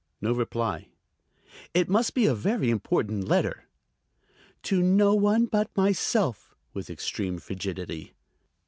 No reply. "It must be a very important letter." "To no one but myself," with extreme frigidity.